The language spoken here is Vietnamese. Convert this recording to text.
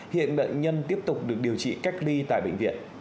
hiện bệnh nhân tiếp tục được điều trị cách ly tại bệnh viện